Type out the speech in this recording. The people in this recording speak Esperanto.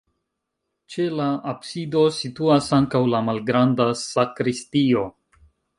Ĉe la absido situas ankaŭ la malgranda sakristio.